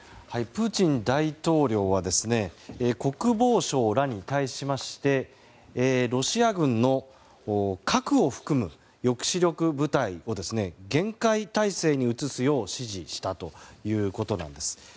プーチン大統領は国防相らに対しましてロシア軍の核を含む抑止力部隊を厳戒態勢に移すよう指示したということなんです。